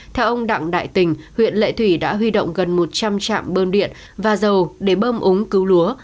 theo ông đặng đại tình huyện lệ thủy đã huy động gần một trăm linh trạm bơm điện và dầu để bơm ống cứu lúa